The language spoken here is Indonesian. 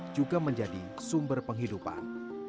juga menjadi sumber penghidupan